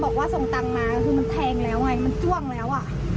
บอกว่าส่งตังค์มาคือมันแทงแล้วไงมันจ้วงแล้วอ่ะ